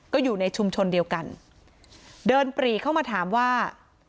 ก็อยู่ในชุมชนเดียวกันเดินปรีเข้ามาถามว่า